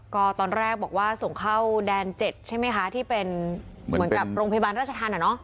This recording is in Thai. ก็ตอนแรกบอกว่าส่งเข้าแดน๗ใช่ไหมคะที่เป็นเหมือนกับโรงพยาบาลราชธรรม